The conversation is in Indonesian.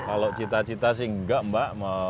kalau cita cita sih enggak mbak